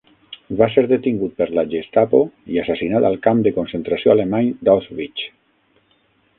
Va ser detingut per la Gestapo i assassinat al camp de concentració alemany d'Auschwitz.